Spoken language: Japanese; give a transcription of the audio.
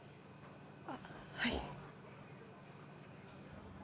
あっはい。